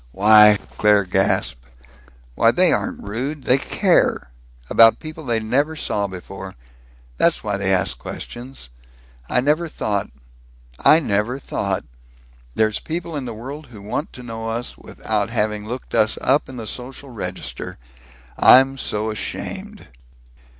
"Why!" Claire gasped, "why, they aren't rude. They care about people they never saw before. That's why they ask questions! I never thought I never thought! There's people in the world who want to know us without having looked us up in the Social Register! I'm so ashamed!